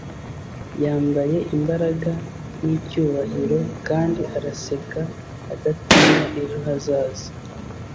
yambaye imbaraga n'icyubahiro kandi araseka adatinya ejo hazaza